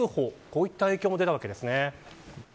こういった影響が出たわけです。